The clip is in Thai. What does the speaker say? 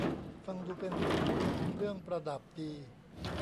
ฟังดูเป็นสิ่งของเครื่องประดับดี